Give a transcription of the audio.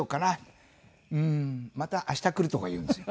「うーんまた明日来る」とか言うんですよ。